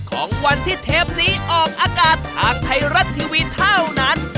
ของวันที่เทปนี้ออกอากาศทางไทยรัฐทีวีเท่านั้น